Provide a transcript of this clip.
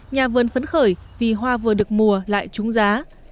nhà vườn phấn khởi vì hoa vừa được mùa lại trúng giá